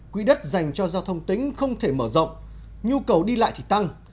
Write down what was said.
quỹ đất dành cho giao thông tỉnh không thể mở rộng nhu cầu đi lại thì tăng